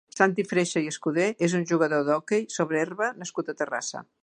Santi Freixa i Escudé és un jugador d'hoquei sobre herba nascut a Terrassa.